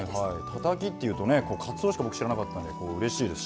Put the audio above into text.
たたきっていうと僕は、かつおしか知らなかったのでうれしいです。